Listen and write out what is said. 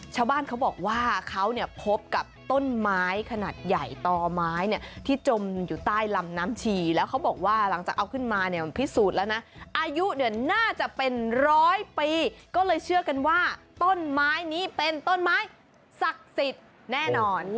ชาวบ้านเขาบอกว่าเขาเนี่ยพบกับต้นไม้ขนาดใหญ่ต่อไม้เนี่ยที่จมอยู่ใต้ลำน้ำชีแล้วเขาบอกว่าหลังจากเอาขึ้นมาเนี่ยพิสูจน์แล้วนะอายุเนี่ยน่าจะเป็นร้อยปีก็เลยเชื่อกันว่าต้นไม้นี้เป็นต้นไม้ศักดิ์สิทธิ์แน่นอน